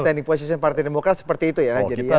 standing position partai demokrat seperti itu ya